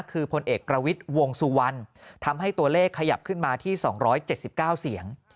คือพลเอกประวิทย์วงสุวรรณทำให้ตัวเลขขยับขึ้นมาที่๒๗๙เสียง